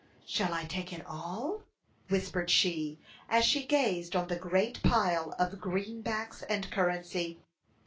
"Shall I take it all?" whispered she, as she gazed on the great pile of "greenbacks and currency."